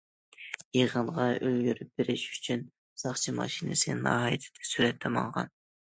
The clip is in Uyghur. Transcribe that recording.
يىغىنغا ئۈلگۈرۈپ بېرىش ئۈچۈن، ساقچى ماشىنىسى ناھايىتى تېز سۈرئەتتە ماڭغان.